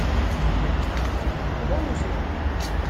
Ɣunzu.